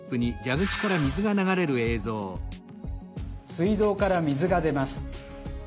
水道から水が出ます。